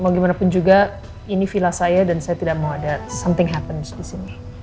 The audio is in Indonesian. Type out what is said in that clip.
mau gimana pun juga ini villa saya dan saya tidak mau ada something happense di sini